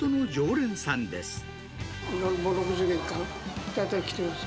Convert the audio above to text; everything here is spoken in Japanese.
もう６０年間、大体来てます。